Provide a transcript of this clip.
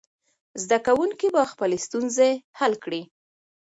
زده کوونکي به خپلې ستونزې حل کړي.